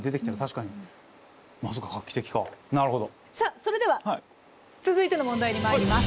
それでは続いての問題にまいります。